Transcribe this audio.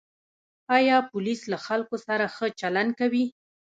آیا پولیس له خلکو سره ښه چلند کوي؟